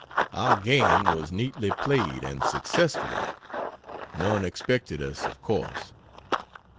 Our game was neatly played, and successfully. None expected us, of course.